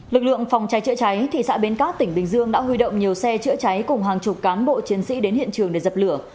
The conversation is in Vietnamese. lực lượng phòng cháy chữa cháy thị xã bến cát tỉnh bình dương đã huy động nhiều xe chữa cháy cùng hàng chục cán bộ chiến sĩ đến hiện trường để dập lửa